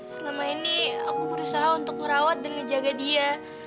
selama ini aku berusaha untuk merawat dan ngejaga dia